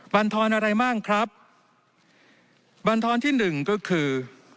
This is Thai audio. บรรทอนอะไรบ้างครับบรรทอนที่หนึ่งก็คือ